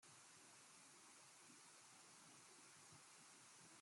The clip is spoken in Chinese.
其后在街上卖唱。